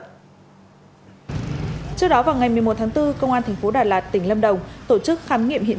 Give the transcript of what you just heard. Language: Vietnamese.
trước đó vào ngày một mươi một tháng bốn công an thành phố đà lạt tỉnh lâm đồng tổ chức khám nghiệm hiện